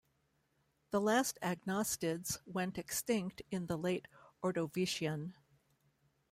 The last agnostids went extinct in the Late Ordovician.